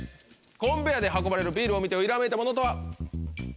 コンベヤーで運ばれるビールを見てひらめいたものとは？